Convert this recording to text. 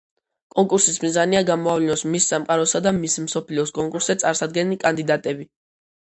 კონკურსის მიზანია გამოავლინოს მის სამყაროსა და მის მსოფლიოს კონკურსზე წარსადგენი კანდიდატები.